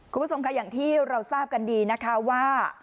คุณผู้ชมค่ะอย่างที่เราทราบกันดีนะคะว่า